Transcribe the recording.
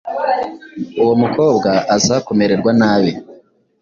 Uwo mukobwa aza kumererwa nabi